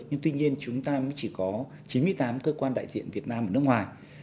chúng ta mới chỉ có chín mươi tám cơ quan đại diện việt nam nước ngoài